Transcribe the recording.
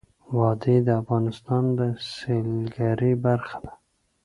وادي د افغانستان د سیلګرۍ برخه ده.